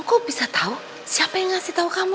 tante kamu bisa tahu siapa yang ngasih tahu kamu